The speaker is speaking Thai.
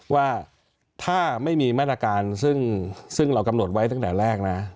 ว่าถ้าไม่มีมาตรการซึ่งเรากำหนดไว้ตั้งแต่แรกนะ